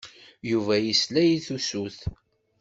Yuba yesla i tusut.